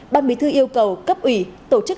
ban bí thư yêu cầu cấp ủy tổ chức